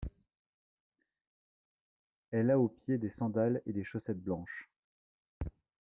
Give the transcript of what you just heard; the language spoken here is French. Elle a aux pieds des sandales et des chaussettes blanches.